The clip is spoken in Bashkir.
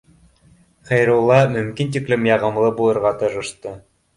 Хәйрулла мөмкин тиклем яғымлы булырға тырышты